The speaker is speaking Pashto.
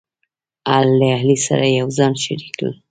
له علي سره یې ځان شریک کړ،